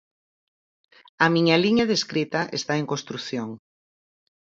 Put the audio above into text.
A miña liña de escrita está en construción.